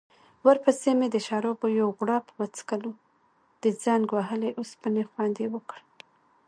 ورپسې مې د شرابو یو غوړپ وڅکلو، د زنګ وهلې اوسپنې خوند يې وکړ.